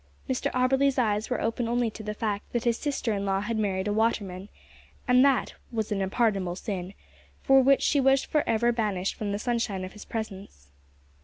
Mr Auberly's eyes were open only to the fact that his sister in law had married a waterman, and that that was an unpardonable sin, for which she was for ever banished from the sunshine of his presence.